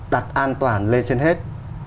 đặt an toàn lên trên hết